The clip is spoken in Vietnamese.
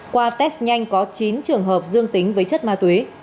qua test nhanh có chín trường hợp dương tính với chất ma túy